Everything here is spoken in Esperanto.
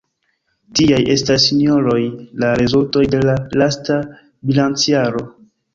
Tiaj estas, sinjoroj, la rezultoj de la lasta bilancjaro.